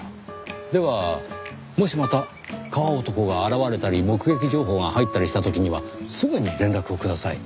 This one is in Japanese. ではもしまた川男が現れたり目撃情報が入ったりした時にはすぐに連絡をください。